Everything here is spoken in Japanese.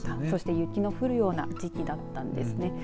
そして雪の降るような時期だったんですね。